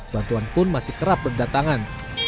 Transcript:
bantuan pun masih kerap berdatangan